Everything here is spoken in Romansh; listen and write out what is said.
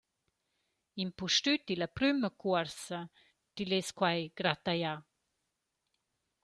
Impustüt illa prüma cuorsa til es quai gratajà.